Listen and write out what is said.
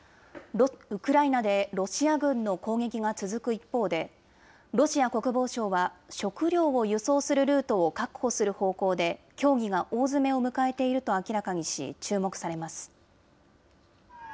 ウクライナでロシア軍の攻撃が続く一方で、ロシア国防省は、食料を輸送するルートを確保する方向で協議が大詰めを迎えていると明らかにし、注目されます。